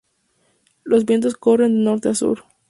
Los vientos corren de norte a sur.